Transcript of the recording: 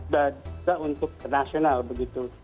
dan untuk nasional begitu